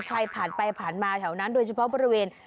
ใครผ่านไปผ่านมาแถวนั้นโดยเฉพาะบริเวณ